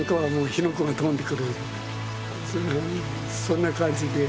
そんな感じで。